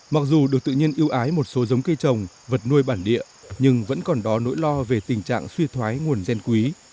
mặc dù được tự nhiên yêu ái một số giống cây trồng vật nuôi bản địa nhưng vẫn còn đó nỗi lo về tình trạng suy thoái nguồn gen quý